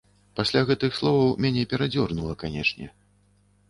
Пасля гэтых словаў мяне перадзёрнула, канечне.